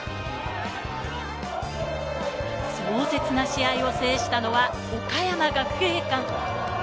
壮絶な試合を制したのは、岡山学芸館。